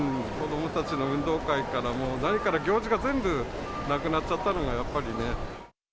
子どもたちの運動会から、もう何から行事が全部なくなっちゃったのが、やっぱりね。